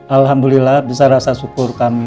alhamdulillah bisa rasa syukur kami